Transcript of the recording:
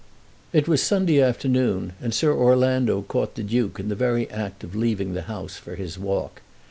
It was Sunday afternoon, and Sir Orlando caught the Duke in the very act of leaving the house for his walk.